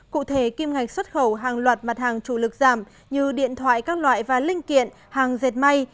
cụ thể kim ngạch xuất khẩu hàng loạt mặt hàng chủ lực giảm như điện thoại các loại và linh kiện hàng dệt may